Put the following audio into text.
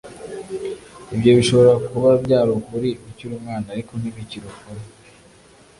Ibyo bishobora kuba byari ukuri ukiri umwana ariko ntibikiri ukuri